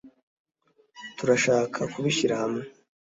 turashaka kubishyira hamwe